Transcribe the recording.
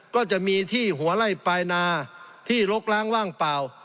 ก็จะมีที่หัวไล่ปลายนาที่ลกล้างว่างเปล่า